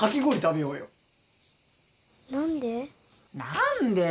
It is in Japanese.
何で？